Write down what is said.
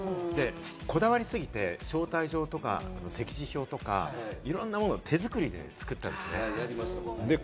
こだわりすぎて招待状とか、席次表とか、いろんなものを手作りで作ったんです。